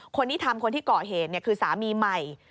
คนที่ทำคนที่ก่อเหตุคือสามีใหม่